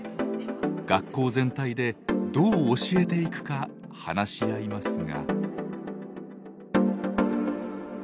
学校全体でどう教えていくか話し合いますが。